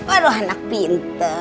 aduh anak pinter